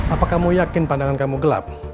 apakah kamu yakin pandangan kamu gelap